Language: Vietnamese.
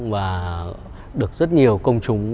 và được rất nhiều công chúng